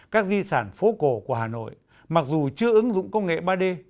các di sản phố cổ của hà nội mặc dù chưa ứng dụng công nghệ ba d